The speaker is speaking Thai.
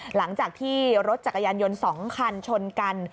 หลังจากที่รถจักรยานยนต์๒คันชนกัน